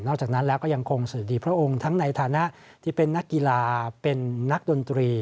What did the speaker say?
จากนั้นแล้วก็ยังคงสวัสดีพระองค์ทั้งในฐานะที่เป็นนักกีฬาเป็นนักดนตรี